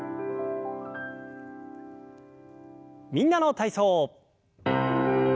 「みんなの体操」。